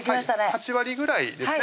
８割ぐらいですね